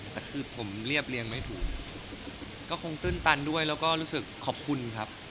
แต่คือผมเรียบเรียงไม่ถูกก็คงตื้นตันด้วยแล้วก็รู้สึกขอบคุณครับ